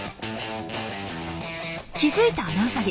気付いたアナウサギ。